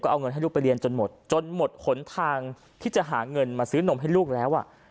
เอาเงินให้ลูกไปเรียนจนหมดจนหมดหนทางที่จะหาเงินมาซื้อนมให้ลูกแล้ว